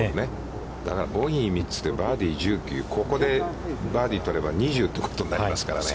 だから、ボギー３つでバーディー１９、ここでバーディーをとれば２０ということになりますからね。